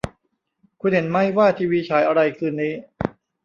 คุณเห็นมั้ยว่าทีวีฉายอะไรคืนนี้